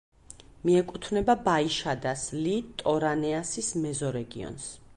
მიეკუთვნება ბაიშადას-ლიტორანეასის მეზორეგიონს.